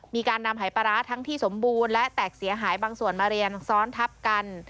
มีการนำหายปลาร้าทั้งที่สมบูรณ์และแตกเสียหายบางส่วนมาเรียงซ้อนทับกัน